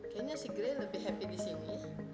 kayaknya si grey lebih happy di sini